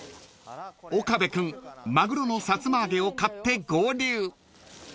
［岡部君マグロのさつま揚げを買って合流］